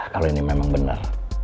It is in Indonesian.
kalau ini memang benar